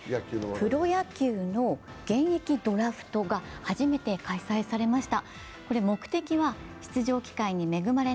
プロ野球の現役ドラフトが初めて開催されました。